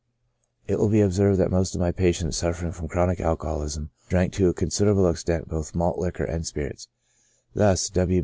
It w^ill be observed that most of my patients suffering from chronic alcoholism, drank to a considerable extent both malt liquor and spirits. Thus.